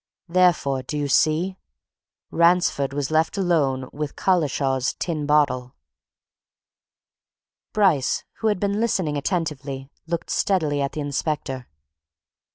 Therefore do you see? Ransford was left alone with Collishaw's tin bottle!" Bryce, who had been listening attentively, looked steadily at the inspector.